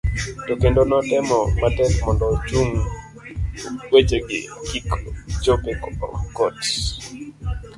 to kendo notemo matek mondo ochung wechegi kik chop e kot